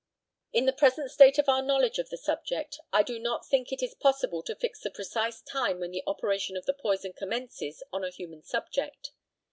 In the present state of our knowledge of the subject, I do not think it is possible to fix the precise time when the operation of the poison commences on a human subject.